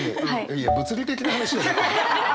いや物理的な話じゃなくね。